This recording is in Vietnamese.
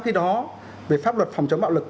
khi đó về pháp luật phòng chống bạo lực